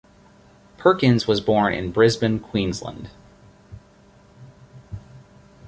Perkins was born in Brisbane, Queensland.